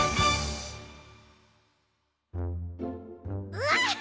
うわっは！